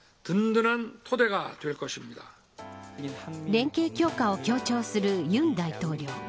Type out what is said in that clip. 連携強化を強調する尹大統領。